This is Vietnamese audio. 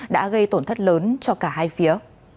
đã gây tổn thất lớn cho cả hai phía